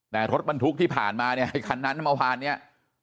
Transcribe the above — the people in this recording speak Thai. แต่รถบันทุกข์ที่ผ่านมาคันน้ำทะมาฟาเนี่ย